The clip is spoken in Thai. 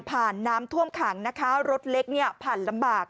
น้ำท่วมขังนะคะรถเล็กเนี่ยผ่านลำบาก